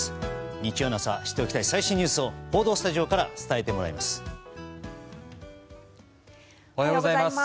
日曜の朝知っておきたい最新ニュースを報道スタジオから伝えてもらいます。